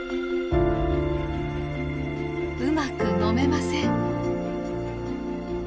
うまく飲めません。